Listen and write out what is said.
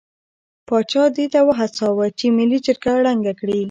پاچا دې ته هڅاوه چې ملي جرګه ړنګه کړي.